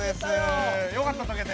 よかった解けて。